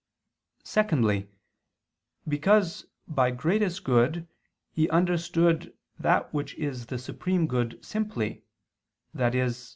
Secondly, because by greatest good he understood that which is the supreme good simply, i.e.